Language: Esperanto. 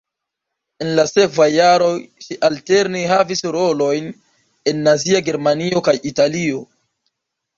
En la sekvaj jaroj ŝi alterne havis rolojn en nazia Germanio kaj Italio.